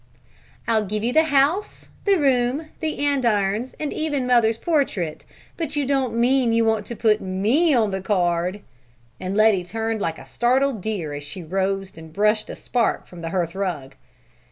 "I'll give you the house, the room, the andirons, and even mother's portrait, but you don't mean that you want to put me on the card?" And Letty turned like a startled deer as she rose and brushed a spark from the hearth rug.